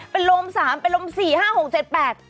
เป็นลมสามเป็นลมสี่ห้าหกเจ็ดแปด